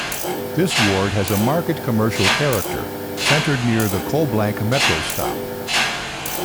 This ward has a marked commercial character, centred near the Collblanc Metro stop.